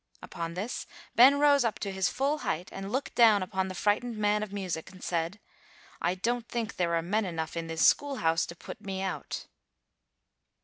Upon this, Ben rose up to his full height, and looking down upon the frightened man of music, said, "I don't think there are men enough in this school house to put me out."